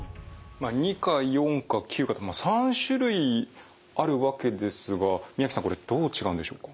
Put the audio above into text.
２価・４価・９価と３種類あるわけですが宮城さんこれどう違うんでしょうか？